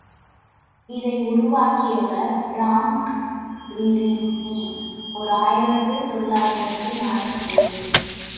இதை உருவாக்கியவர் Frank Libby, ஓர் ஆயிரத்து தொள்ளாயிரத்து நாற்பத்தேழு.